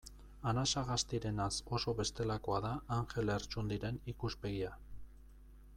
Anasagastirenaz oso bestelakoa da Anjel Lertxundiren ikuspegia.